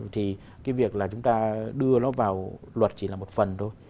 thì cái việc là chúng ta đưa nó vào luật chỉ là một phần thôi